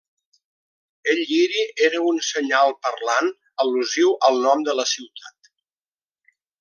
El lliri era un senyal parlant al·lusiu al nom de la ciutat.